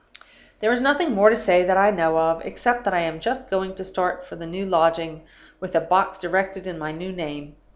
"There is nothing more to say that I know of, except that I am just going to start for the new lodging, with a box directed in my new name.